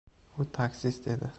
U taksist edi.